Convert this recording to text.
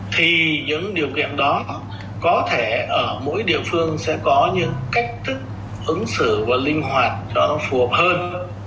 thì những điều kiện đó có thể ở mỗi địa phương sẽ có những cách thức ứng xử và linh hoạt cho nó phù hợp hơn